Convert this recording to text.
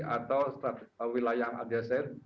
atau wilayah aljazeera